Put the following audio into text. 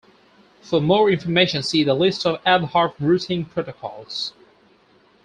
For more information see the list of ad hoc routing protocols.